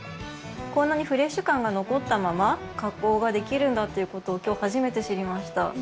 こんなにフレッシュ感が残ったまま加工ができるんだっていう事を今日初めて知りました。